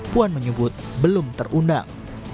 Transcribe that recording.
puan menyebut belum terundang